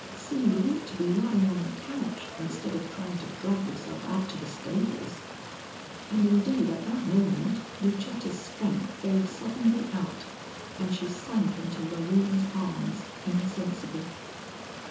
See, you ought to be lying on the couch instead of trying to drag yourself out to the stables." And indeed at that moment Lucetta's strength gave suddenly out, and she sank into Loreen's arms insensible.